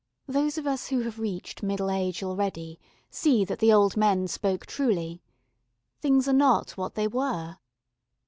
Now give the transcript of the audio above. Those of us who have reached middle age already see that the old men spoke truly. Things are not what they were.